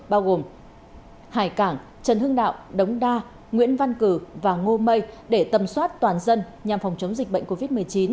bao gồm hải cảng trần hưng đạo đống đa nguyễn văn cử và ngô mây để tầm soát toàn dân nhằm phòng chống dịch bệnh covid một mươi chín